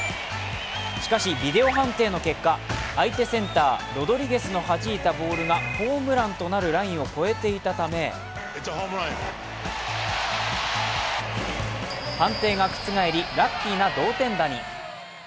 しかし、ビデオ判定の結果相手センター・ロドリゲスのはじいたボールがホームランとなるラインを超えていたため判定が覆り、ラッキーな同点打に。